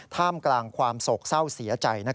ท่ามกลางความโศกเศร้าเสียใจ